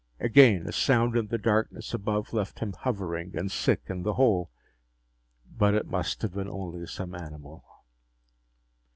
Again, a sound in the darkness above left him hovering and sick in the hole. But it must have been only some animal.